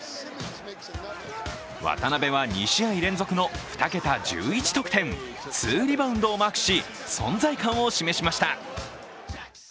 渡邊は２試合連続の２桁１１得点、２リバウンドをマークし存在感を示しました。